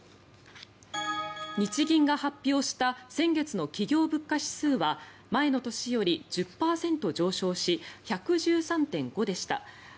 日銀が発表した先月の企業物価指数は前の年より１０％上昇し１１３．５でした。